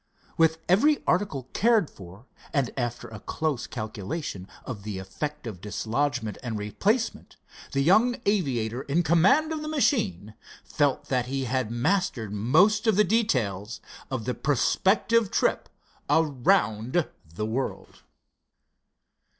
With every article cared for, and after a close calculation of the effect of dislodgment and replacement, the young aviator in command of the machine felt that he had mastered most of the details of the prospective trip around the world.